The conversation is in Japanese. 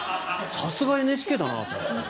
さすがＮＨＫだなと。